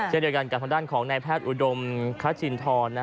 เช่นเดียวกันกับทางด้านของนายแพทย์อุดมคชินทร